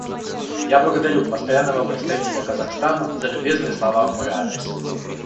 Я благодарю Постоянного представителя Казахстана за любезные слова в мой адрес.